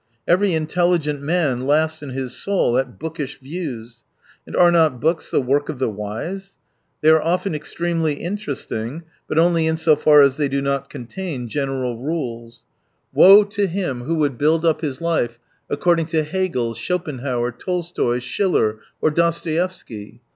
Every intelligent man laughs in his soul at " bookish " views. And are not books the work of the wise ? They are often extremely interesting — but only in so far as they do not contain general rules. Woe to him. who 219 would build up his life according to Hegel, Schopenhauer, Tolstoy, Schiller, or Dos toevsky.